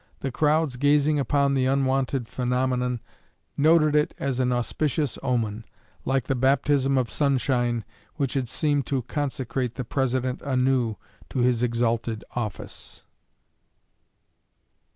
The crowds gazing upon the unwonted phenomenon noted it as an auspicious omen, like the baptism of sunshine which had seemed to consecrate the President anew to his exalted office.